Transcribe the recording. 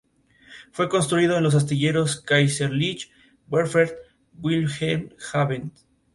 En los primeros autos, sentenció a un connotado comunero, Ramón de las Llanas.